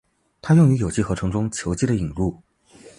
它用于有机合成中巯基的引入。